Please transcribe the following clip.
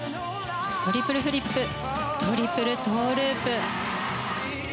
トリプルフリップトリプルトウループ。